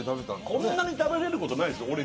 こんなに食べれることないですよ